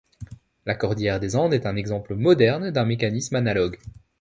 La Cordillère des Andes est un exemple moderne d'un mécanisme analogue.